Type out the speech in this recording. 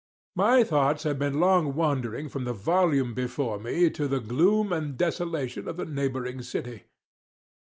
My thoughts had been long wandering from the volume before me to the gloom and desolation of the neighboring city.